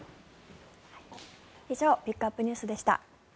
以上ピックアップＮＥＷＳでした。